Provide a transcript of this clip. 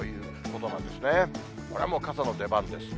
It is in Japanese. これはもう傘の出番です。